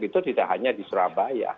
itu tidak hanya di surabaya